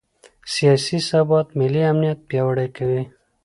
سیاسي ثبات ملي امنیت پیاوړی کوي